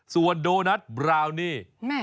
ส่วนโดนัทบราวนี่